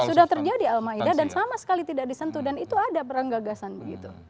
sudah terjadi al maida dan sama sekali tidak disentuh dan itu ada perang gagasan begitu